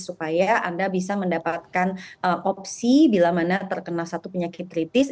supaya anda bisa mendapatkan opsi bila mana terkena satu penyakit kritis